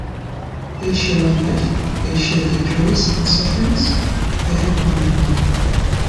They share a life, they share their joys and sufferings, they help one another.